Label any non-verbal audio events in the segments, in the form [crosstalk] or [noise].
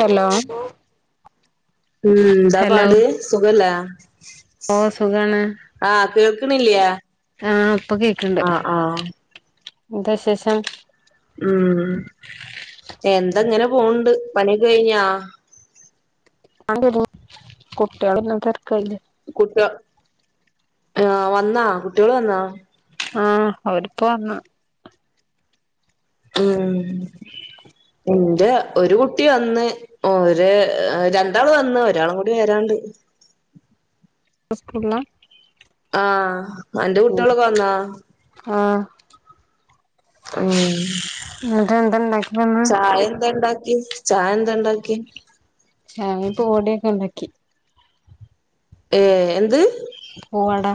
Hello ഉം എന്താ hello പാട് സുഖല്ലേ? ഓ സുഖാണ് ആഹ് കേൾക്ക്ണില്ലേ? ആഹ് ഇപ്പൊ കേക്ക്ണ്ട് എന്താ വിശേഷം? ഉം എന്ത ഇങ്ങനെ പോവ്ണ്ട് പണിയൊക്കെ കഴിഞ്ഞോ? അതെന്തെടോ? കുട്ടികളൊന്നും തിരക്കായിലെ? കുട്ടികള് ആഹ് വന്നോ കുട്ടികള് വന്നാ? ആഹ് അവരിപ്പ വന്ന് ഉം ഇന്റെ ഒരു കുട്ടി വന്ന് ഓര് രണ്ടാള് വന്ന് ഒരാളും കൂടി വരാണ്ട് വേറെ സ്കൂൾള്ളാ? ആഹ് അന്റെ കുട്ടിയളൊക്കെ വന്നാ? ആഹ് ഉം ഇന്നെട്ട് എന്ത ഇണ്ടാക്കിണ് ഇന്ന്? ചായ എന്താ ഇണ്ടാക്കി ചായ എന്താ ഇണ്ടാക്കി ചായിം പൂവടിം ഒക്കെ ഇണ്ടാക്കി ഏഹ് എന്ത് പൂവട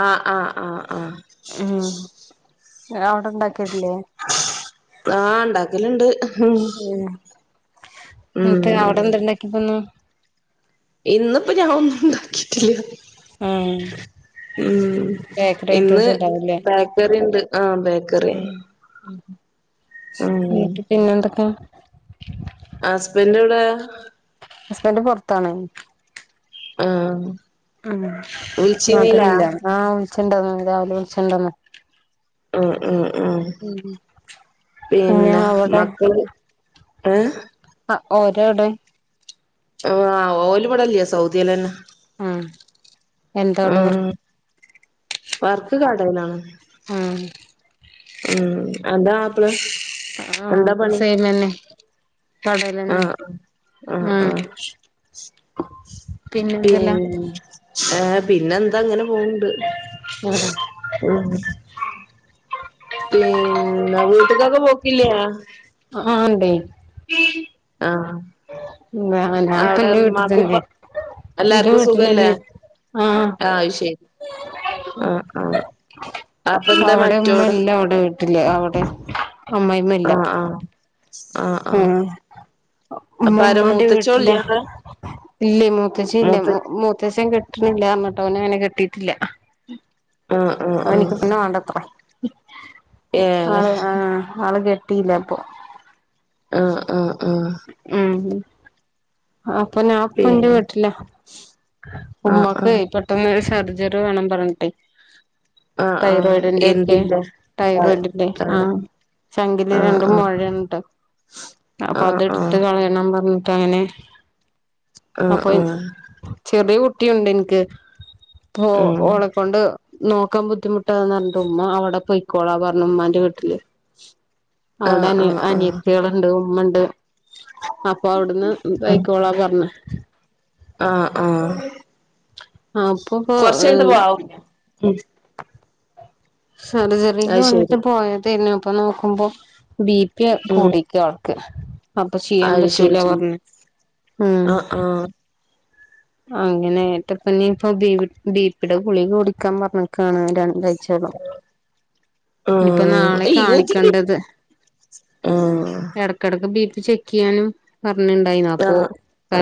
ആഹ് ആഹ് ആഹ് ആഹ് ഉം ഇങ്ങളവടെ ഇണ്ടാക്കലില്ലേ ആഹ് ഇണ്ടാക്കല് ഇണ്ട് ഉം ഏഹ് ഇന്ന്ട്ട് അവടെ എന്താ ഇണ്ടാക്കി ഇപ്പന്ന് ഇന്ന് ഇപ്പൊ ഞങ്ങള് ഒന്നും ഇണ്ടാക്കിറ്റില്യ ആഹ് ഉം ഉം ബേക്കറി ഇന്ന് ഐറ്റംസ് ബേക്കറി ഇണ്ട് ആഹ് ബേക്ക ഉം ഉം ഉം എന്നട്ട് പിന്നെ എന്താക്കാ ഹസ്ബെൻഡ് എവടെ ഹസ്ബൻഡറ്റ് പാെർത്താണേ ആഹ് ആഹ് മാറ്റ്ണില്ലേ ആഹ് വിളിച്ച് ഇണ്ടായിരുന്നു രാവിലെ വിളിച്ച് ഇണ്ടായിരുന്നു ഉം ഉം ഉം പിന്നെ മക്കള് ഏഹ് ആഹ് ഓര് എവടെ ആഹ് ഓല് ഇവടെ ഇല്യ സൗദ്യേലെന്നെ ആഹ് എന്താ അവടെ വർ ഉം വർക്ക് കടേലാണ് ആഹ് ഉം അന്റെ മാപ്ളെ എന്താ പണി ഇങ്ങെന്നെ ആഹ് ആഹ് ആഹ് ഉം ആഹ് പിൻ പിന്നെന്തല്ലാ ഏഹ് പിന്നെ എന്താ ഇങ്ങനെ പോവ്ണ്ട് ഉം ഉം പിന്നെ വീട്ട്ക്കൊക്കെ പോക്കില്ലേ അആഹ് ഇണ്ടേയ് ഉം ആഹ് ഉം ഞാനാ ഞാൻ ഇപ്പ അവിടെ ഇന്റെ വീട്ടിൽ ഉമ്മാക്കും ഉപ്പ തന്നെ ഇന്റെ എല്ലാർക്കും സുഖല്ലേ വീട്ടിന്ന്എന്നെ ആഹ് അത് ശരി ആഹ് ആഹ് അപ്പൊ എന്താ അവടെ ഇമ്മ മറ്റോട് ഇല്ല അവടെ വീട്ടില് അവടെ അമ്മായിമ്മ ഇല്ല ആഹ് ആഹ് ആഹ് ആഹ് ഉം ഉമ്മ അപ്പൊ ആരാ ഉമ്മാന്റെ വീട്ടിലാ മൂത്തച്ചോളില്ലേ അവിടെ ഇല്ലേയ് മൂത്തച്ചി ഇല്ലേയ് മൂത്ത മുമൂത്തച്ചൻ കെട്ട്ണില്ലാ പറഞ്ഞ്ട്ട് ഓന് ഇങ്ങനെ കെട്ടീറ്റില്ല ആഹ് ആഹ് ഓൻക്ക് ആഹ് ഇപ്പത്തന്നെ വാണ്ടത്രേ ഏഹ് ആള് ആഹ് ആള് കെട്ടിയില്ല അപ്പൊ ആഹ് ആഹ് ആഹ് ഉം അപ്പൊ ഞാൻ ഇപ്പ പിന്നെ ഇന്റെ വീട്ട്ലാ ആഹ് ഉമ്മക്ക് ആഹ് പെട്ടെന്നൊരു സർജറി വേണം പറഞ്ഞിട്ടേയ് ആഹ് ആഹ് തൈറോയ്ഡിന്റെക്കെ എന്തിന്റെ തൈറോയ്ഡിന്റെ ആഹ് ചങ്കില് രണ്ട് മൊഴ ആഹ് ഇണ്ട് അപ്പ അത് ആഹ് ഇട്ത്ത് കളയണം പർഞ്ഞിട്ട് അങ്ങനെ ആഹ് ആഹ് അപ്പൊ ഇൻ ആഹ് ചെറിയ കുട്ടിയുണ്ട് എനിക്ക് അപ്പൊ ആഹ് ആഹ് ഓളെക്കൊണ്ട് നോക്കാൻ ബുദ്ധിമുട്ടാന്ന് പറഞ്ഞിട്ട് ഉമ്മ അവിടെ പോയിക്കോളാ പറഞ്ഞു ഉമ്മാന്റെ വീട്ടില് അവിടെ ആഹ് അനി ആഹ് അനിയത്തിയേള്ണ്ട് ഉമ്മണ്ട് അപ്പൊ അവ്ടുന്ന് ആഹ് പൊയ്ക്കോളാ പറഞ്ഞ് ആഹ് ആഹ് അപ്പൊ കൊറച്ചയ്നിട്ട് വാ ഇപ്പൊ ഉം സർജറിക്ക് അത് വേണ്ടീട്ട് ശരി പോയതെര്ന്നു അപ്പൊ നോക്കുമ്പോ ബിപി അ ഉം കൂടി ക്കി ആൾക്ക് അപ്പൊ ചെയ്യാൻ അത് പറ്റൂല ശരി പറഞ്ഞു ഉം ആഹ് ആഹ് അങ്ങനൊയിട്ടപ്പ നീയിപ്പ ബീ ബീപ്പിടെ ഗളിക കുടിക്കാൻ പറഞ്ഞക്കാണ് രണ്ട യ്ച്ച ഇപ്പൊ ആഹ് നാളെ ഏയ് ഒതുങ്ങി കാണിക്കണ്ടത് ആഹ് എടക്കെടെക്ക് ബീപി ചെക്കിയ്യാനും പറഞ്ഞിണ്ടായിന്നു അപ്പൊ ആഹ്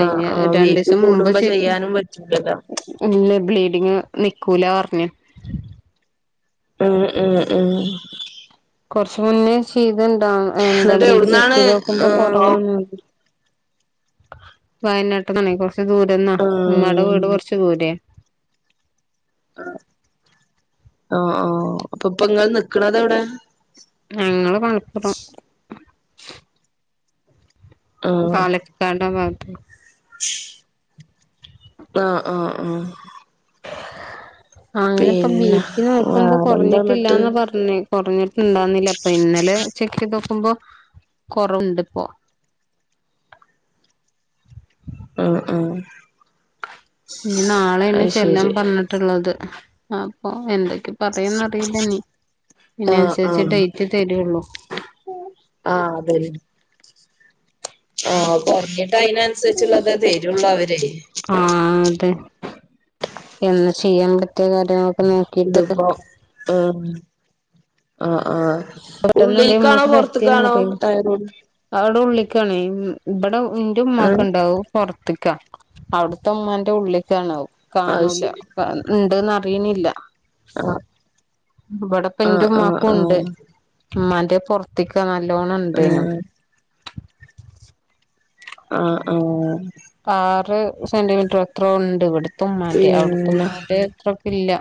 ആഹ് ആഹ് വീട്ടിൽ രണ്ടീസം മുമ്പ് കൂടുമ്പോ ചെക്ക് ചെയ്യാനും പറ്റൂല്ലല്ലോ ഇല്ല ബ്ലീഡിങ്ങ് നിക്കൂല പറഞ്ഞു ഉം ഉം ഉം കൊറച്ച് മുന്നേ ചെയ്തുണ്ടാവും എന്താ എന്നിട്ട് ബീപി ചെക്ക് എവിടുന്നാണ് ചെയ്ത നോക്കുമ്പോ ആഹ് കൊറവാണ് വയനാട്ടിന്നാണെ കൊറച്ച് ദൂരന്നാ ആഹ് ഉമ്മാടെ വീട് കുറച്ച് ദൂരെ ഓ ഓ അപ്പൊ ഇപ്പൊങ്ങള് നിക്കണതെവിടെ? ഞങ്ങള് മലപ്പുറം പാലക്കട് ആഹ് ഭാഗത്ത്‌ ഷ് ആഹ് ആഹ് ആഹ് സായിനപ്പ ബി പിന്നെ പി നോക്കുമ്പൊ വേറെന്താ എന്നിട്ട് കൊറഞ്ഞിട്ടില്ലാന്ന പറഞ്ഞെ കുറഞ്ഞിട്ട്ണ്ടാന്നില്ല ഇപ്പൊ ഇന്നലെ ചെക്ക് ചെയ്ത് നോക്കുമ്പോ കൊറവുണ്ട് ഇപ്പോ ആഹ് ആഹ് ഇനി നാളേണ് അത് ചെല്ലാൻ ശരി പറഞ്ഞിട്ടുള്ളത് അപ്പൊ എന്തെക്കെ? പറയന്നറിയില്ല ഇനി ആഹ് അയിനനുസരിച്ച് ആഹ് ഡേറ്റ് തരുള്ളു ആഹ് അതന്നെ ആഹ് കൊറഞ്ഞിട്ട് അയിനന്നുസരിച്ചുള്ളതാ തരുള്ളൂ അവര് ആഹ് അതെ എന്നാ ചെയ്യാൻ പറ്റിയ കാര്യങ്ങളൊക്കെ നോ ഇതിപ്പൊ എ ആഹ് ആഹ് പെട്ടെന്ന് എന്തേ ഉള്ളിൽക്കാണോ ഉമ്മാക്ക് പൊറത്കാണോ പറ്റിയേന്നറിയില്ല ടൈറോയ്ഡ് അവിടെ ഉള്ളിക്കാണ് ഇബടെ ഇന്റെ ഏഹ് ഉമ്മാക്കണ്ടാവും പുറത്ത്ക്കാ അവിടത്തെ ഉമ്മാന്റെ ഉള്ളിക്കാണ് അത് കാണൂല ശരി അ ഇണ്ട്ന്ന് അറിയ്ണില്ല ആഹ് ഇവിടെപ്പന്റെ ആഹ് ഉമ്മാക്കൂണ്ട് ആഹ് ഉമ്മാന്റെ പൊറത്ത്ക്ക നല്ലോണണ്ടേനും ആഹ് ആഹ് ആഹ് ആറ് സെന്റിമീറ്റർ എത്രോ ഉണ്ട് ഇവിടുത്ത ഉമ്മാന്റെ പിന്നെ അവിടുത്തുമ്മാന്റെ അത്രക്കില്ല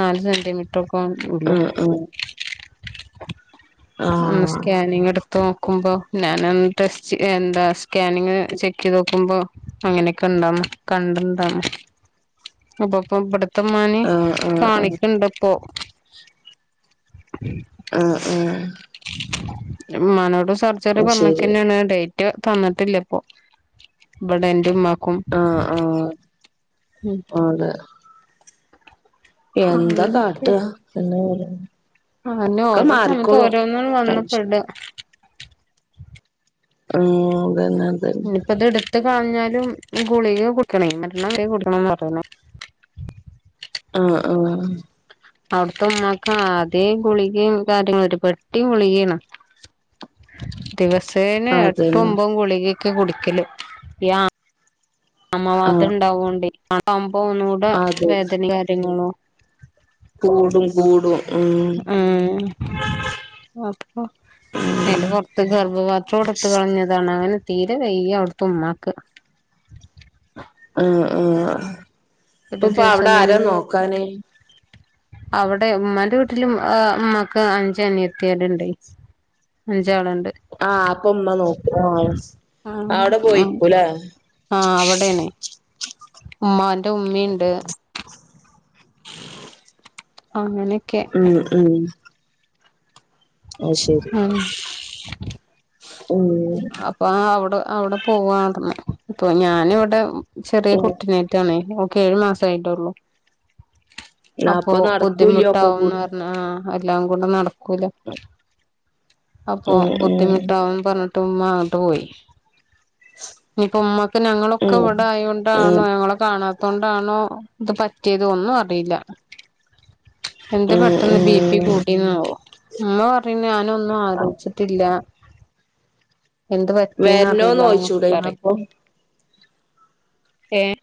നാല് സെന്റിമീറ്റർ ഒക്കൊള്ളു ആഹ് ആഹ് ആഹ് ആഹ് അന്ന് സ്കാനിങ് എടുത്ത് നോക്കുമ്പോ ഞാനന്ന് ടെസ്റ്റ്‌ എന്താ സ്കാനിങ് ചെക്കീതോ ക്ക്മ്പോ അങ്ങനൊക്കെ ഇണ്ടന്ന് കണ്ടണ്ടന്ന് അപ്പൊപ്പ ഇവടെ ത്തെമ്മാനീം ആഹ് ആഹ് കാണിക്കുണ്ട് പ്പോ ആഹ് ആഹ് ഇമ്മാനോട് സർജറി അത് ശരി പറഞ്ഞക്കന്നേണ് ഡേറ്റ് തന്നിട്ടില്ല ഇപ്പൊ ഇവടെ എന്റെ ഉമ്മാക്കും ആഹ് ഉം ആഹ് ല്ലേ എന്താ അങ്ങനെയൊക്കെ കാട്ടാ എന്നാ പറയാനാ അങ്ങൻന്നെ ഓരോ സമയത്ത് ഓരോന്ന്ണ്ട് വന്ന് ടെൻഷൻ പെടാ ആഹ് അതെന്നെ അതെന്നെ ഇപ്പ ഇത് ഇട്ത്ത്കളഞ്ഞാലും ഗുളിക കുടിക്കണേ മരണം വരെ കുടിക്കണംന്ന് പറയ്ന്നെ ആഹ് ആഹ് അവ്ട്ത്തെ ഇമ്മാക്ക് ആദ്യേ ഗുളികയും കാര്യങ്ളും ഒര് പെട്ടി ഗുളികേയ്ണ് ദിവസേനെ എട്ടും അതന്നെ ഒമ്പതും ഗുളികയെക്കെ കുടിക്കെല് ഇപ്പ ഈ ആ ആമവാതം ആഹ് ഇണ്ടാവോണ്ടേ അതാവുമ്പൊ ഒന്നും കൂടെ അതെ വേദനിം കാര്യങ്ങളും കൂടും കൂടും ഉം ഉം അപ്പൊ അയ്‌ന്റെ പൊർത്ത് ഗർഭപാത്രോ ഇട്ത്ത്കളഞ്ഞതാണ് അങ്ങനെ തീരെ വെയ്യ അവ്ട്ത്തെ ഉമ്മാക്ക് അഹ് ആഹ് പ്പ ഒരു പ്പ അവ്ടെ ദിവസം ആരാ നോക്കാന് അവ്ടെ ഉമ്മാന്റെ വീട്ടില് എഹ് ഇമ്മാക്ക് അഞ്ച് അനിയത്ത്യാള് ഇണ്ടെയ് അഞ്ചാള്ണ്ട് ആഹ് അപ്പ ഇമ്മ നോക്കു ആഹ് അഹ് സ് ആഹ് അവ്ടെ പോയിക്കുലേ ആഹ് അവിടെയാണ് ഉമ്മാന്റെ ഉമ്മിണ്ട് അങ്ങനെക്കെ ഉം ഉം അയ് ശരി ഉം ഉം അപ്പൊ ആഹ് അവ്ടെ അവ്ടെ പോവു [unintelligible] മ്മെ ഇപ്പൊ ഞാന് വടെ ചെറ്യേ ഉം കുട്ടിനേ റ്റാണേ ഓക്ക് ഏഴ് മാസെ ആയിട്ടൊള്ളൂ. അപ്പൊ നടക്കൂല്യ ഒക്കെ ബുദ്ധിമുട്ടാവുന്ന് കൂടി പർഞ്ഞ് ആഹ് ആഹ് എല്ലാം കൂടെ നടക്കൂല അപ്പൊ ഉം ഉം ബുദ്ധിമുട്ടാവും പർഞ്ഞ് ട്ട് മ്മ അങ്ങട്ട് പോയി ഞ്ഞ്പ്പൊ ഉമ്മാ ക്ക് ഞങ്ങളൊക്കെ ഉം ഇവ്ടെ ആയോണ്ടാണ് ഉം ഞങ്ങളെ കാണാ ത്തോണ്ടാണോ ഇത് പറ്റ്യേത് ഒന്നും അറിയില്ല എന്തെ ഉം പെട്ടെന്ന് ബി പി ഉം കൂടീന്നാവോ മ്മ പറീണ് ഞാനൊന്നും ആലോയ്ച്ച്ട്ടില്ല എന്ത് പറ്റിന്ന് വരണോന്ന് അഅറിയില്ലാന്നൊക്കെ ചോയിച്ചൂടായിരുന്നോ പറയും അപ്പൊ ഏഹ്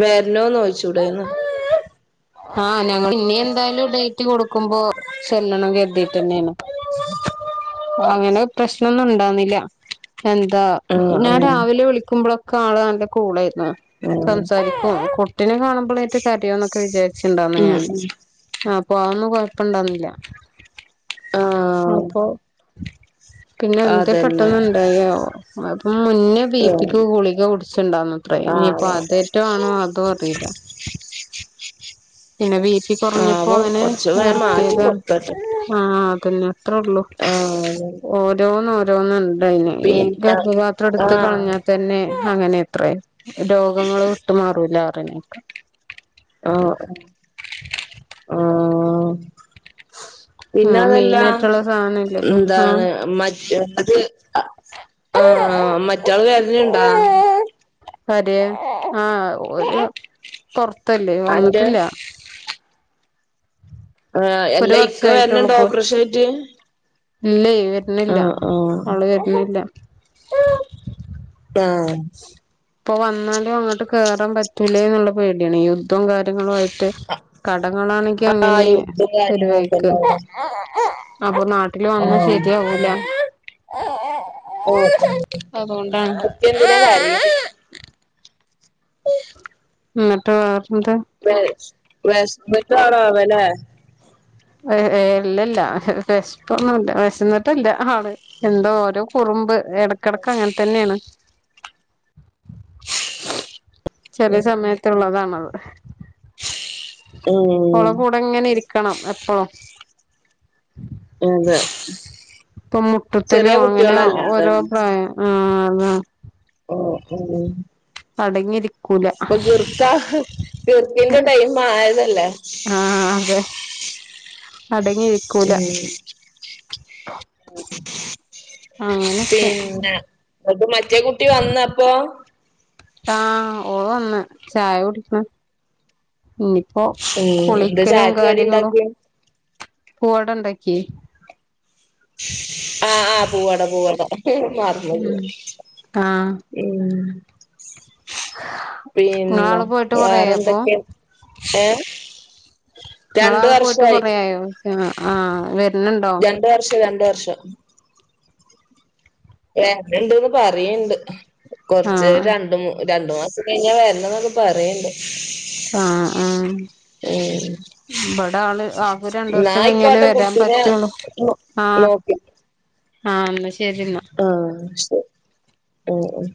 വെര്നോന്നോയ്ച്ചൂടേയ്ന്ന ആഹ് ഞങ്ങള് ഇനി എന്തായാലും ഡെയ്റ്റ് കൊടുക്കുമ്പൊ ചെല്ലണം കെര്തീറ്റെന്നേണ് അങ്ങനെ അഹ് പ്രശ്നൊന്നും ഇണ്ടാന്നില്ല്യ എന്താ ആഹ് ഞാൻ ആഹ് രാവിലെ വിളിക്കുമ്പളൊക്കെ ആള് നല്ല കൂളായിര്ന്ന് ആഹ് സംസാരിക്കും കു ട്ടിനെ കാണുമ്പളേറ്റെ കര്യോന്നൊക്കെ വിചാരിച്ച്ണ്ടായ്ർന്നു ഉം ഞാന് ഉം അപ്പൊ അതൊന്നും കൊഴപ്പണ്ടാർന്നില്ല ആഹ് അപ്പൊ പിന്നെ എന്തേ അതന്നെ പെട്ടെന്ന് ഇണ്ടായി ആവോ അപ്പം മുന്നിം ബീ പിക്ക് ഗുളിക കുടിച്ച്ണ്ടാർന്നത്രേ ഇഞ്പ്പ ആവോ അതേറ്റെ ആണോ അതും അറീല പിന്നെ ബീപി കൊറഞ്ഞപ്പോ ആവോ അങ്ങനെ കൊറച്ച് വേം മാറ്റി നിറ്ത്ത്യേതാ കൊടുക്കട്ടെ ആഹ് അതന്നെ ത്രോള്ളൂ ആഹ് ഓരോന്ന് ഓ രോന്ന് ഇണ്ടായ്ന് പിന്നെ ഗർഭപാത്രം ഇടുത്ത് ആഹ് കളഞ്ഞാ തന്നെ അങ്ങനെത്രേ രോഗങ്ങൾ വിട്ട്മാറൂലാറിനേക്കാ അഹ് ആഹ് പിന്നെ ആ അതല്ലാ മെയിനായിട്ടുള്ള സാധനല്ലേ ഇപ്പൊ ആ ന്താണ് മറ്റേ അത് ആഹ് മറ്റാള് വര്ല്ണ്ടോ പാര് ആഹ് ഓല് കൊ ത്തല്ലേ അന്റെ വന്ന്ട്ട്ല്ല ആഹ് അല്ല ഇക്ക വര്ണ് വർഷായിട്ടുള്ളൂ ണ്ടോ ഇപ്പോ ഓപ്പറേഷായിട്ട് ഇല്ലേ വരുന്നില്ല ആഹ് ആള് വരുണ്ല്ല ആഹ് ഇപ്പോ വന്നാലും അങ്ങോട്ട് കേറാൻ പറ്റൂലേന്നുള്ള പേടിയാണ് യുദ്ധം കാര്യങ്ങളും ആയിട്ട് കടങ്ങളാണെങ്കി ആഹ് അങ്ങനെ യുദ്ധം ഒരു വഴിക്ക് കാര്യങ്ങളൊക്കെല്ലേ അവിടെ അപ്പോ നാട്ടില് വന്ന ആഹ് ഓഹ് ശരിയാവൂല ഓഹ് അതോണ്ടാണ് ഇക്ക എന്തിനാ കരയ്ണെ ന്നട്ട് വേറെന്താ [unintelligible] വെശന്നിട്ടാണാവോ ലെ എഹ് ഏഹ് ഇല്ലല്ല വെശപ്പൊന്നും ഇല്ല വെശന്നിട്ടല്ല ആള് എന്തോ ഓരോ കുറുമ്പ് എടക്കടക്ക് അങ്ങനെ തന്നെയാണ് ചെലേ സമയത്തുള്ളതാണത് ഉം ഉം ഓളെ കൂടെ ഇങ്ങനെ ഇരിക്കണം എപ്പളും ഇതെ ഇപ്പോ മുട്ട്ത്തലും അങ്ങനെ ഓരോ അതാണ് പ്രായം ആഹ് താ ഓഹ് [unintelligible] അടങ്ങിയിരി പ്പ ഗിർക്ക ഗിർക്കിന്റെ ടൈം ആയതല്ലേ ആഹ് അതെ അടങ്ങിയിരിക്കൂല ഉം ആങ്ങനക്കെ ഇങ്ങട്ട് മറ്റേ കുട്ടി വന്ന അപ്പോ ആഹ് ഓള് വന്ന് ചായ കുടിക്ണ് ഇനിയിപ്പോ ഉം എന്താ കുളിക്കലും ചായക്ക് കടി കാര്യങ്ങളും ഉണ്ടാക്കി പൂവടണ്ടാക്കി ആഹ് ആഹ് പൂവട പൂവട മറന്ന്ക്ക്ണ് ഉം ആഹ് ഉം പിന്നെ ഇങ്ങളാള് പോയിട്ട് കൊറേയായോ അപ്പൊ വേറെന്തക്കെ ഏ രണ്ട് വർഷായി ഞാ ആഹ് വര് രണ്ട് വർഷം രണ്ട് വർഷം വെര്ന്ണ്ട് പറയ്ണ്ട് കൊറച്ച് ആഹ് രണ്ട്മു രണ്ടു മാസം കഴിഞാ വരണം ന്നൊക്കെ പറയ്ണ്ട് ആഹ് ആഹ് ഏഹ് ഇബടെ ആള് ആൾക്ക് രണ്ട് വർഷം കഴിഞ്ഞാലേ ആയിക്കോട്ടെ വരാൻ കുട്ടീനെ പറ്റൊള്ളൂ ആഹ് നോക്കി ആഹ് ഇന്ന ശരിന്ന ആഹ് ശരി അഹ അഹ